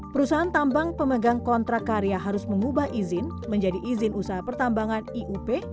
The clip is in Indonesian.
perusahaan tambang pemegang kontrak karya harus mengubah izin menjadi izin usaha pertambangan iup